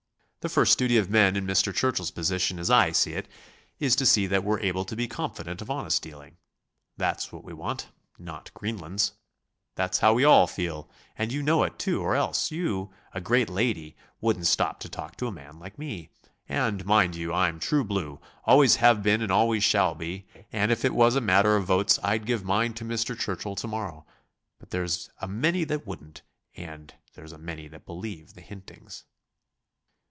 The first duty of men in Mr. Churchill's position as I see it is to see that we're able to be confident of honest dealing. That's what we want, not Greenlands. That's how we all feel, and you know it, too, or else you, a great lady, wouldn't stop to talk to a man like me. And, mind you, I'm true blue, always have been and always shall be, and, if it was a matter of votes, I'd give mine to Mr. Churchill to morrow. But there's a many that wouldn't, and there's a many that believe the hintings.'"